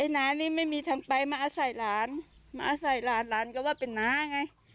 น้านี่ไม่มีทำไปมาอาศัยหลานมาอาศัยหลานหลานก็ว่าเป็นน้าไง